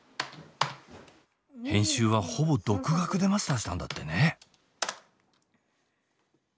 編集はほぼ独学でマスターしたんだってね。